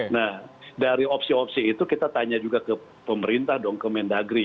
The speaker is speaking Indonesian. nah dari opsi opsi itu kita tanya juga ke pemerintah dong ke mendagri